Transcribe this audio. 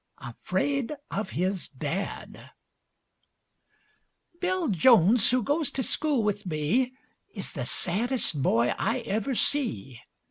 AFRAID OF HIS DAD Bill Jones, who goes to school with me, Is the saddest boy I ever see.